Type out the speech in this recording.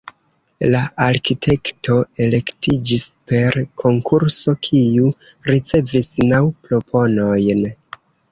La arkitekto elektiĝis per konkurso, kiu ricevis naŭ proponojn.